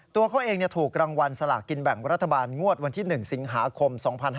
ตัวเขาเองถูกรางวัลสลากกินแบ่งรัฐบาลงวดวันที่๑สิงหาคม๒๕๕๙